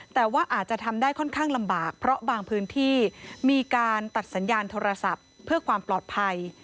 แต่ว่าอาจจะทำได้ค่อนข้างลำบากเพราะบางพื้นที่มีการตัดสัญญาณโทรศัพท์เพื่อความปลอดภัย